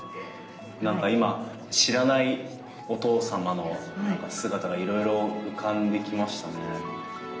何か今知らないお父様の姿がいろいろ浮かんできましたね。